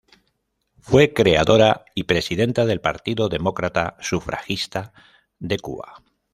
Fue creadora y presidenta del Partido Demócrata Sufragista de Cuba.